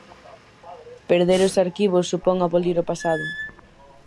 Perder os arquivos supón abolir o pasado.